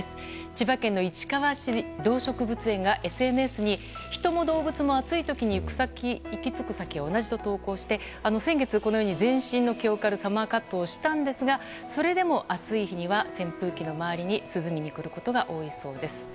千葉県の市川市動植物園がＳＮＳに人も動物も暑い時に行き着く先は同じと投稿して先月、このように全身の毛を刈るサマーカットをしたんですがそれでも暑い日には扇風機の周りに涼みに来ることが多いそうです。